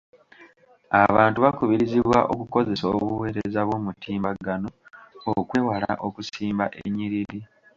Abantu bakubirizibwa okukozesa obuweereza bw'omutimbagano okwewala okusimba ennyiriri.